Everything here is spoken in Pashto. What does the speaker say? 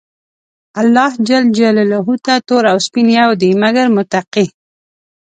الله ج ته تور او سپين يو دي، مګر متقي.